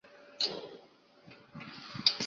之后再使用剃刀直接切除大小阴唇。